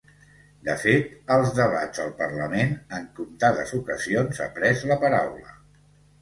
De fet, als debats al parlament, en comptades ocasions ha pres la paraula.